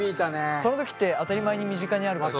その時って当たり前に身近にあるわけ。